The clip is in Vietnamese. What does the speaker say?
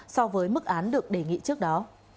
so với mức án được đề nghị trước đó